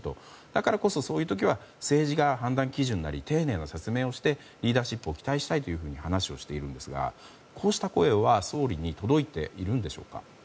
だからこそ、そういう時は政治が判断基準なり丁寧な説明をしてリーダーシップを期待したいと話をしているんですがこうした声は総理に届いているんでしょうか。